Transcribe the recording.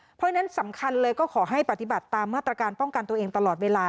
เพราะฉะนั้นสำคัญเลยก็ขอให้ปฏิบัติตามมาตรการป้องกันตัวเองตลอดเวลา